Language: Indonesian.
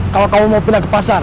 kalau kamu mau pindah ke pasar